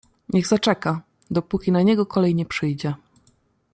"Niech zaczeka, dopóki na niego kolej nie przyjdzie."